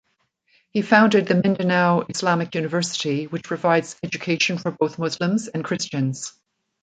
He founded the Mindanao Islamic University which provides education for both Muslims and Christians.